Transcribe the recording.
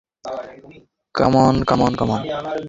Come on, come on, come on.